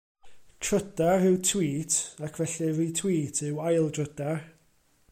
Trydar yw tweet ac felly retweet yw aildrydar.